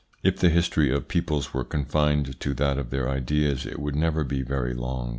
If the history of peoples were confined to that of their ideas it would never be very long.